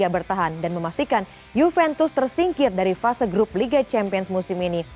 bertahan dan memastikan juventus tersingkir dari fase grup liga champions musim ini